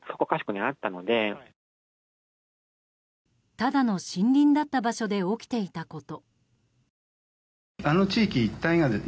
ただの森林だった場所で起きていたこと。